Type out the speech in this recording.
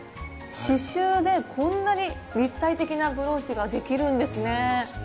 刺しゅうでこんなに立体的なブローチができるんですね。